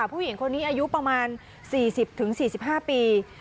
อายุประมาณ๔๐๔๕ปี